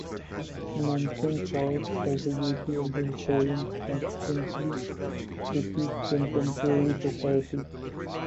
Mommsen saw it as the duty of the historian to constantly critique contemporary society.